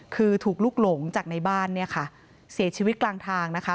คือถูกลุกหลงจากในบ้านเนี่ยค่ะเสียชีวิตกลางทางนะคะ